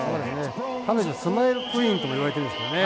彼女スマイルクイーンとも言われてるんですけどね。